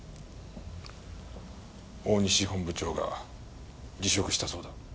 大西本部長が辞職したそうだ。